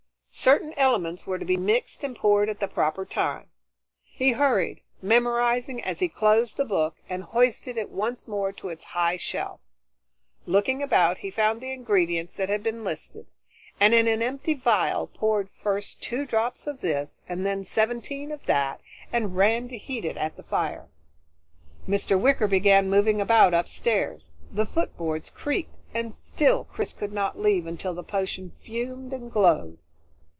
Certain elements were to be mixed and poured at the proper time. He hurried, memorizing as he closed the book, and hoisted it once more to its high shelf. Looking about, he found the ingredients that had been listed, and in an empty vial poured first two drops of this, and then seventeen of that, and ran to heat it at the fire. Mr. Wicker began moving about upstairs; the floorboards creaked, and still Chris could not leave until the potion fumed and glowed.